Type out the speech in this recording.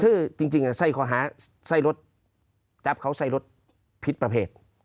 คือจริงจริงอ่ะใส่เขาหาใส่รถจับเขาใส่รถพิษประเภท